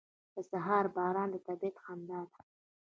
• د سهار باران د طبیعت خندا ده.